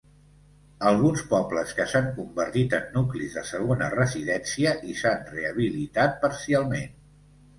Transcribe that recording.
Alguns pobles que s'han convertit en nuclis de segona residència i s'han rehabilitat parcialment.